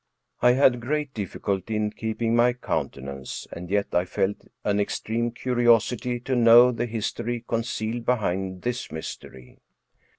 " I had great difficulty in keeping my countenance, and yet I felt an extreme curiosity to know the history con cealed behind this mystery.